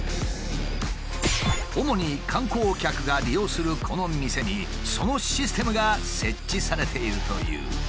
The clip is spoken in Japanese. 主に観光客が利用するこの店にそのシステムが設置されているという。